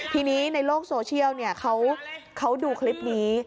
ทีนี้ในโลกโซเชียลเขาดูคลิปนี้